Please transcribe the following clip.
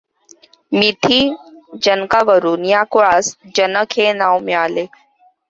मिथि जनकावरून या कुळास जनक हे नाव मिळाले.